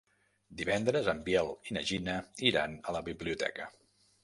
Divendres en Biel i na Gina iran a la biblioteca.